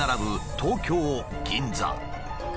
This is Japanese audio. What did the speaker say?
東京銀座。